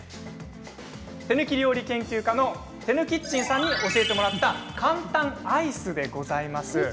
手抜き料理研究家のてぬキッチンさんに教えてもらった簡単アイスでございます。